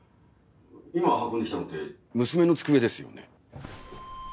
今運んできたのって娘の机ですよね？